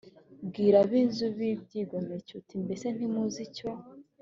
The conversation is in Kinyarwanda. bwira ab’inzu y’ibyigomeke uti “mbese ntimuzi icyo…”